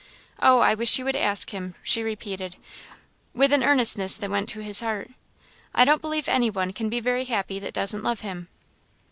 Oh! I wish you would ask him!" she repeated, with an earnestness that went to his heart. "I don't believe any one can be very happy that doesn't love him."